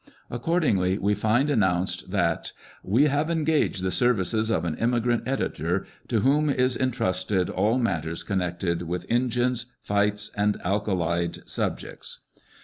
Accordingly we find announced that " We have engaged the services of an immigrant editor, to whom is entrusted all matters connected with Injuns, fights, and alkalied subjects."